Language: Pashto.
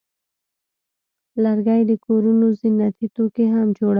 لرګی د کورونو زینتي توکي هم جوړوي.